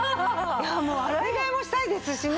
いやあもう洗い替えもしたいですしね。